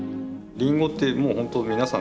リンゴってもう本当皆さん